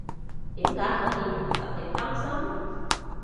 點樣可以憑實力單身？